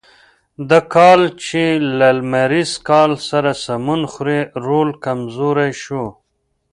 د کال چې له لمریز کال سره سمون خوري رول کمزوری شو.